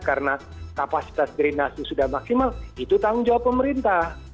karena kapasitas drenasi sudah maksimal itu tanggung jawab pemerintah